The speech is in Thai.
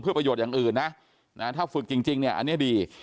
เพื่อประโยชน์อย่างอื่นนะถ้าฝึกจริงอันนี้ดี